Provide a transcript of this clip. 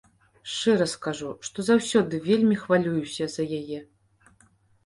Шчыра скажу, што заўсёды вельмі хвалююся за яе.